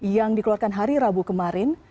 yang dikeluarkan hari rabu kemarin